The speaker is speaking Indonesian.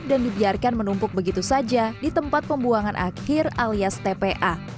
dan dibiarkan menumpuk begitu saja di tempat pembuangan akhir alias tpa